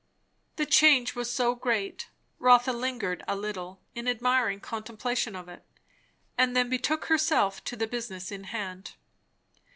The change was so great, Rotha lingered a little, in admiring contemplation of it; and then betook herself to the business in hand.